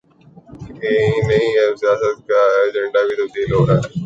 یہی نہیں، اب سیاست کا ایجنڈا بھی تبدیل ہو رہا ہے۔